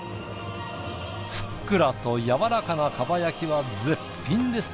ふっくらとやわらかなかば焼きは絶品です。